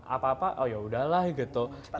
apa apa yaudahlah gitu